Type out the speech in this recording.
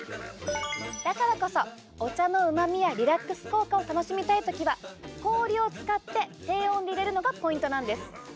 だからこそお茶のうまみやリラックス効果を楽しみたい時は氷を使って低温でいれるのがポイントなんです！